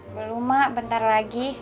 belum mak bentar lagi